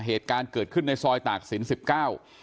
เหตุการณ์เกิดขึ้นในซอยตากศิลปเก้า